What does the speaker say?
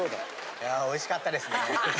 いやおいしかったですね。